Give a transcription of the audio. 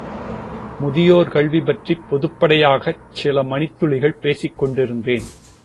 முதியோர் கல்வி பற்றிப் பொதுப்படையாகச் சில மணித்துளிகள் பேசிக் கொண்டிருந்தேன்.